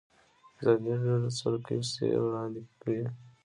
ازادي راډیو د سوله کیسې وړاندې کړي.